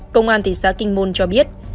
công an thị xã kinh môn cho biết